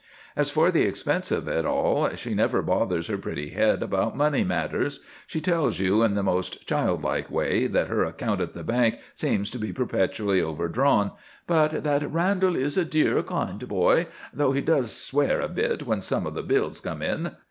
As for the expense of it all, she never bothers her pretty head about money matters; she tells you in the most childlike way that her account at the bank seems to be perpetually overdrawn, but that "Randall is a dear, kind boy, though he does swear a bit when some of the bills come in.